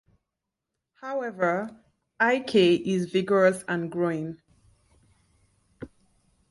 However, Ik is vigorous, and growing.